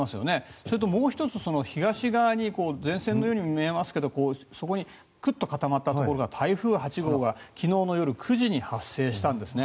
それともう１つ、東側に前線のように見えますけどそこに固まったところが台風８号が昨日の夜９時に発生したんですね。